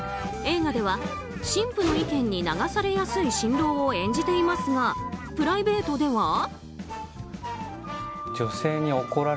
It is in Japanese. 映画では新婦の意見に流されやすい新郎を演じていますがプライベートでは？